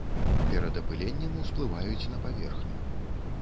Перад апыленнем усплываюць на паверхню.